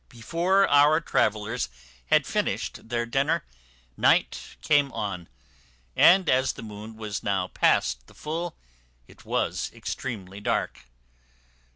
Before our travellers had finished their dinner, night came on, and as the moon was now past the full, it was extremely dark.